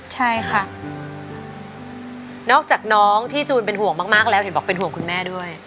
ใช่ค่ะนอกจากน้องที่จูนเป็นห่วงมากแล้วเห็นบอกเป็นห่วงคุณแม่ด้วย